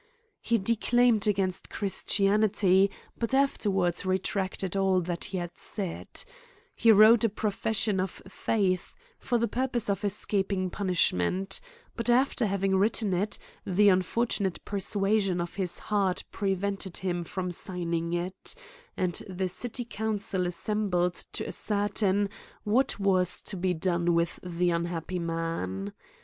He declaimed against Christianity, but afterwards retracted all that he had said ; he wrote a profession of Faith, for the purpose of escaping punishment ; but, af ter having written it, the unfortunate persuasion of his heart prevented him from signing it j and the city council assembled to ascertain what was to be done with the unhappy man.